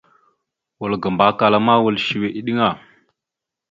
Wal ga Mbakala ma, wal səwe eɗeŋa, yan asal moslo ezeve da.